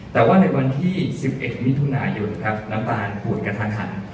แต่ว่าในวันที่๑๑มิถุนายนครับน้ำตาลป่วยกระทันหัน